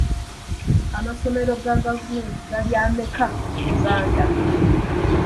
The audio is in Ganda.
Amasomero ga gavumenti gali ameka mu Uganda?